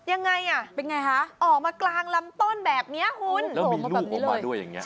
ยังไงอ่ะเป็นไงฮะออกมากลางลำต้นแบบเนี้ยหุ้นแล้วมีลูกออกมาด้วยอย่างเงี้ย